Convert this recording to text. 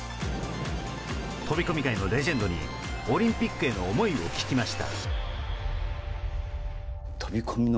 飛込界のレジェンドにオリンピックへの思いを聞きました。